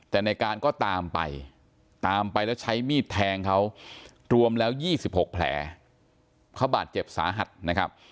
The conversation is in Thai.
แต่ในการก็ตามไปตามไปแล้วใช้มีดแทงเขารวมแล้ว๒๖แผลเขาบาดเจ็บสาหัสนะครับ